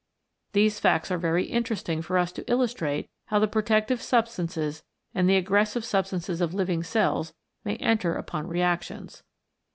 These facts are very interesting for us to illustrate how the pro tective substances and the aggressive substances of living cells may enter upon reactions.